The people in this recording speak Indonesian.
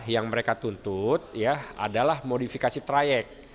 yang mereka tuntut adalah modifikasi trayek